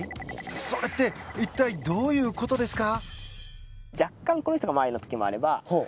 それって一体どういうことですか？